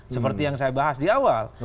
seperti yang saya bahas di awal